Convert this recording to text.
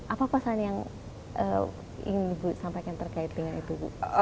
apa pesan yang ingin bu sampaikan terkait dengan itu